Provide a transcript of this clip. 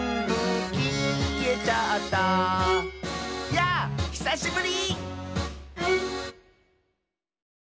「やぁひさしぶり！」